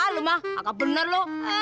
hah lu mah nggak bener lo